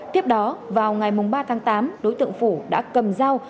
tiếp đó vào ngày ba tháng tám đối tượng phủ đã cầm dao